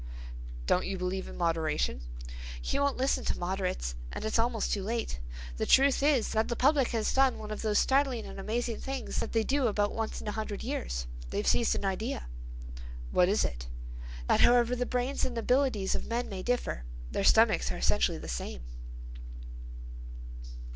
"Don't you believe in moderation?" "You won't listen to the moderates, and it's almost too late. The truth is that the public has done one of those startling and amazing things that they do about once in a hundred years. They've seized an idea." "What is it?" "That however the brains and abilities of men may differ, their stomachs are essentially the same."